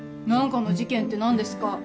何かの事件って何ですか？